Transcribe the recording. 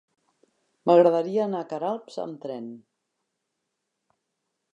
M'agradaria anar a Queralbs amb tren.